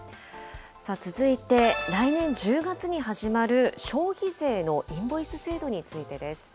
続いて、来年１０月に始まる消費税のインボイス制度についてです。